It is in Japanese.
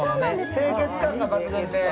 清潔感が抜群でーす。